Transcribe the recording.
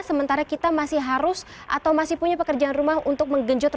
sementara kita masih harus atau masih punya pekerjaan rumah untuk menggenjot